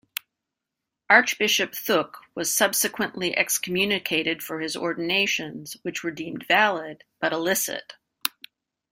Archbishop Thục was subsequently excommunicated for his ordinations, which were deemed valid but illicit.